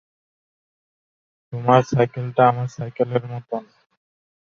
তোমার সাইকেলটা আমার সাইকেলের মতন।